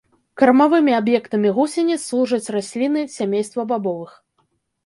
Кармавымі аб'ектамі гусеніц служаць расліны сямейства бабовых.